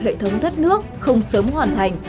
hệ thống thoát nước không sớm hoàn thành